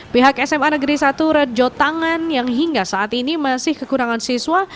pihak sma negeri satu rejo tangan yang hingga saat ini masih kekurangan siswa